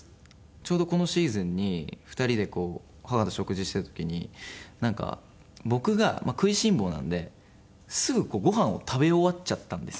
ちょうどこのシーズンに２人で母と食事してる時になんか僕が食いしん坊なのですぐごはんを食べ終わっちゃったんですよ。